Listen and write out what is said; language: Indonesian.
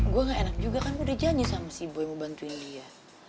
gue ga enak juga kan udah janji sama si boy mau bantuin dia